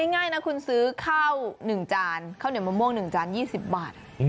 เอาง่ายนะคุณสือข้าวเหนือมะม่วง๑จาน๒๐บาท